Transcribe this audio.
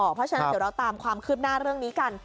เพราะฉะนั้นเดี๋ยวเราตามความคืบหน้าเรื่องนี้กัน